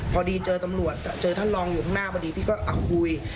พอดีเจอตำรวจเจอท่านรองอยู่ข้างหน้าพอดีพี่ก็คุย